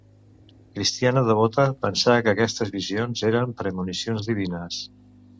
Cristiana devota, pensà que aquestes visions eren premonicions divines.